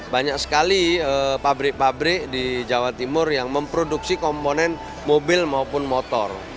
banyak sekali pabrik pabrik di jawa timur yang memproduksi komponen mobil maupun motor